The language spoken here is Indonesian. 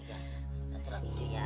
satu satu ya